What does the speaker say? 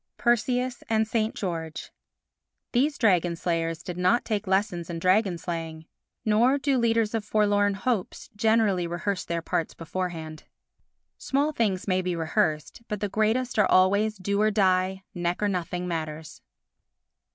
Perseus and St. George These dragon slayers did not take lessons in dragon slaying, nor do leaders of forlorn hopes generally rehearse their parts beforehand. Small things may be rehearsed, but the greatest are always do or die, neck or nothing matters.